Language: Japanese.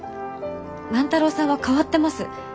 万太郎さんは変わってます。